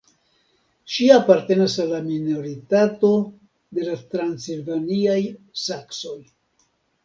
Ŝi apartenas al la minoritato de la transilvaniaj saksoj.